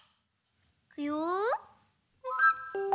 いくよ。